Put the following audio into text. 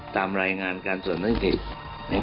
ตามรายงานการส่วนต้นติด